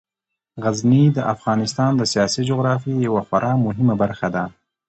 غزني د افغانستان د سیاسي جغرافیې یوه خورا مهمه برخه ده.